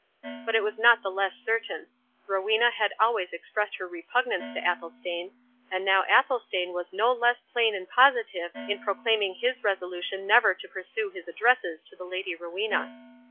But it was not the less certain: Rowena had always expressed her repugnance to Athelstane, and now Athelstane was no less plain and positive in proclaiming his resolution never to pursue his addresses to the Lady Rowena.